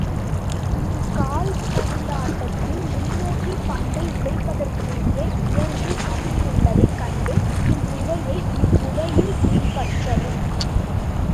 இது கால் பந்தாட்டத்தில் முன்னோக்கிப் பந்தை உதைப்பதற்குரிய இயல்பில் அமைந்துள்ளதைக் கண்டு, இம்முறையை இவ்வுதையில் பின்பற்றவும்.